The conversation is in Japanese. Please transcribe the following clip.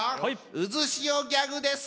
うずしおギャグです。